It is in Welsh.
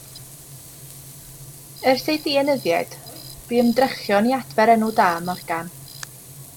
Ers ei dienyddiad, bu ymdrechion i adfer enw da Morgan.